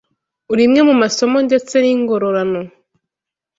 Rimwe mu masomo ndetse n’ingororano